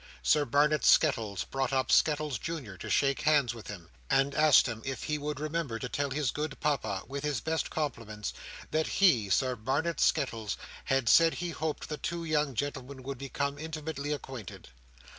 Sir Barnet Skettles brought up Skettles Junior to shake hands with him, and asked him if he would remember to tell his good Papa, with his best compliments, that he, Sir Barnet Skettles, had said he hoped the two young gentlemen would become intimately acquainted.